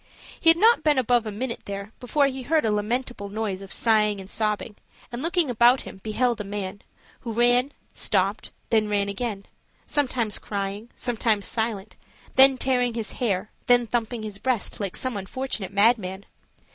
He had not been above a minute there before he heard a lamentable noise of sighing and sobbing; and looking about him, beheld a man, who ran, stopped, then ran again, sometimes crying, sometimes silent, then tearing his hair, then thumping his breast like some unfortunate madman.